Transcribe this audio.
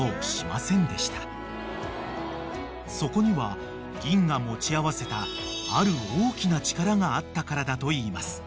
［そこにはぎんが持ち合わせたある大きな力があったからだといいます］